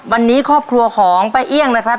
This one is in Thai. วันนี้ครอบครัวของป้าเอี่ยงนะครับ